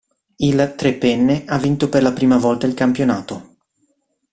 Il Tre Penne ha vinto per la prima volta il campionato.